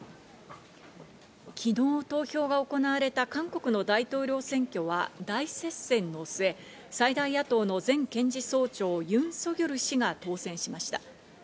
昨日投票が行われた韓国の大統領選挙は大接戦の末、最大野党の前検事総長、ユン・ソギョル氏が当選しました。